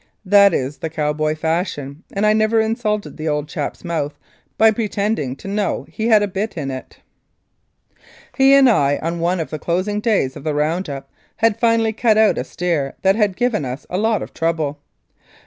That is the cowboy fashion, and I never insulted the old chap's mouth by pretending to know that he had a bit in it. He and I, on one of the closing days of the round up, had finally cut out a steer that had given us a lot of trouble.